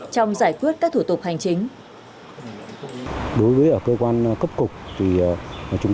trong giải quyết các thủ tục hành chính